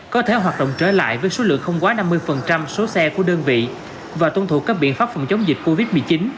có thể hoạt động trở lại với số lượng không quá năm mươi số xe của đơn vị và tuân thủ các biện pháp phòng chống dịch covid một mươi chín